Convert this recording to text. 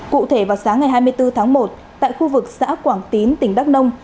cụ thể vào sáng ngày hai mươi bốn tháng một tại khu vực xã quảng tín tỉnh đắk nông